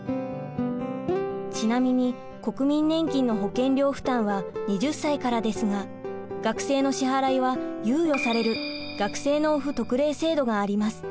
ちなみに国民年金の保険料負担は２０歳からですが学生の支払いは猶予される学生納付特例制度があります。